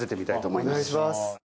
お願いします。